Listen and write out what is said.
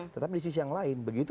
tetapi di sisi yang lain begitu